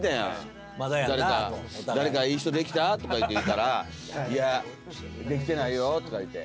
「誰かいい人できた？」とか言うたら「いやできてないよ」とか言うて。